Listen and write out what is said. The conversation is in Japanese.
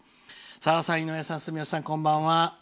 「さださん、井上さん、住吉さんこんばんは。